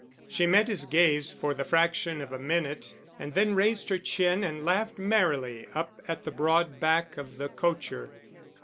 She met his gaze for the fraction of a minute and then raised her chin and laughed merrily up at the broad back of the cocher.